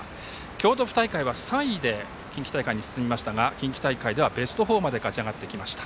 京都府大会は３位で近畿大会に進みましたが近畿大会ではベスト４まで勝ち上がってきました。